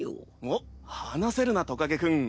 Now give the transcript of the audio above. おっ話せるなトカゲ君。